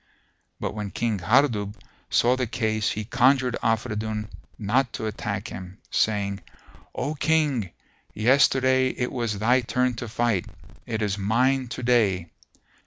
But when King Hardub saw the case he conjured Afridun not to attack him, saying, "O King, yesterday it was thy turn to fight: it is mine to day.